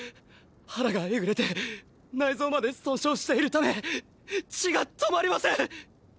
腹がエグれて内臓まで損傷しているため血が止まりません。